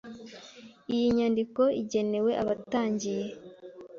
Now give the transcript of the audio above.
Iyi nyandiko igenewe abatangiye.